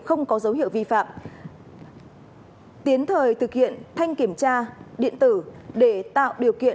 không có dấu hiệu vi phạm tiến thời thực hiện thanh kiểm tra điện tử để tạo điều kiện